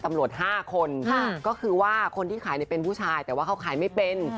ตำรวจ๕คนก็คือว่าคนที่ขายเป็นผู้ชายแต่ว่าเขาขายไม่เป็น